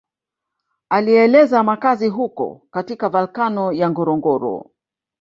Alieleza makazi huko katika valkano ya Ngorongoro